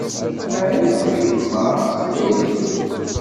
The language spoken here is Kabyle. Mεen acemma, ttxil.